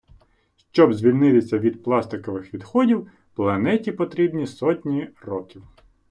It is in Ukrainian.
Щоб звільнитися від пластикових відходів, планеті потрібні сотні років.